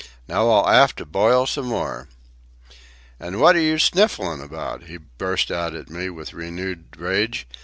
Now I'll 'ave to boil some more. "An' wot 're you snifflin' about?" he burst out at me, with renewed rage.